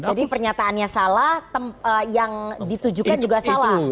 jadi pernyataannya salah yang ditujukan juga salah